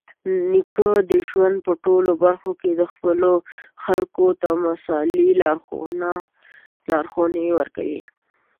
نیکه د ژوند په ټولو برخه کې خپلو خلکو ته مثالي لارښوونې ورکوي.